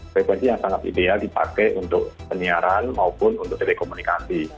frekuensi yang sangat ideal dipakai untuk penyiaran maupun untuk telekomunikasi